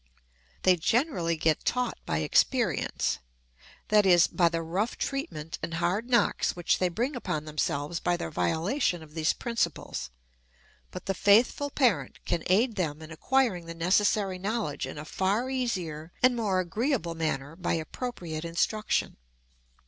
They generally get taught by experience that is, by the rough treatment and hard knocks which they bring upon themselves by their violation of these principles. But the faithful parent can aid them in acquiring the necessary knowledge in a far easier and more agreeable manner by appropriate instruction.